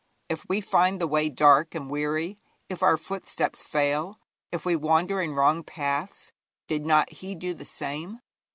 If we find the way dark and weary, if our footsteps fail, if we wander in wrong paths, did not he do the same?